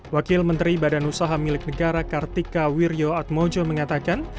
wakil menteri badan usaha milik negara kartika wirjo atmojo mengatakan